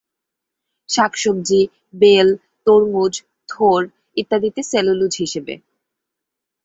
শাক-সবজি, বেল, তরমুজ, থোড় ইত্যাদিতে সেলুলোজ হিসেবে।